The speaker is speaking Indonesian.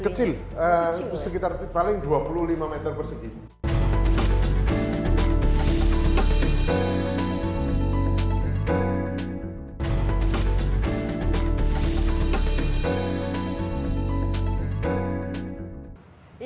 kecil sekitar paling dua puluh lima meter persegi